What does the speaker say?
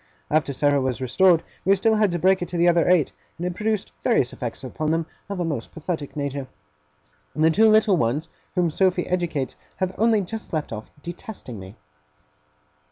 After Sarah was restored, we still had to break it to the other eight; and it produced various effects upon them of a most pathetic nature. The two little ones, whom Sophy educates, have only just left off de testing me.